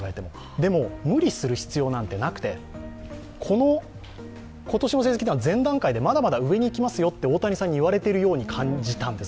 でも、無理する必要なんてなくてこの今年の成績、前段階でまだまだ上に行きますよと大谷さんに言われているような気がしたんです。